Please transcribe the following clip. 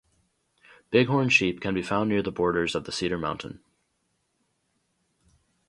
Bighorn sheep can be found near the borders of the Cedar mountain.